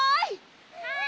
はい！